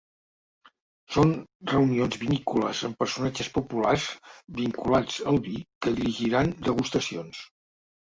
Són reunions vinícoles amb personatges populars vinculats al vi que dirigiran degustacions.